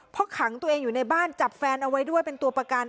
เพราะขังตัวเองอยู่ในบ้านจับแฟนเอาไว้ด้วยเป็นตัวประกัน